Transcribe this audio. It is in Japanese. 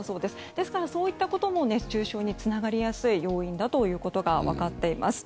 ですから、そういったことも熱中症につながりやすい要因だということが分かっています。